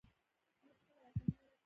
دوی خپله واکمني جوړه کړه